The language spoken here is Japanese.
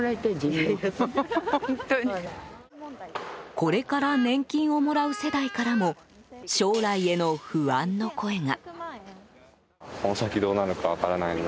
これから年金をもらう世代からも将来への不安の声が。